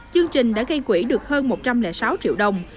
chương trình đã gây quỹ được hơn một trăm linh sáu triệu đồng